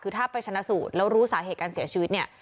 คือถ้าไปชนะสูตรแล้วรู้สาเหตุการเสียชีวิตเนี่ย